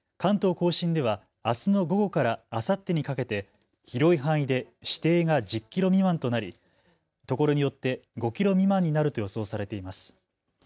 甲信では、あすの午後からあさってにかけて広い範囲で視程が１０キロ未満となりところによって５キロ未満になると予想されています。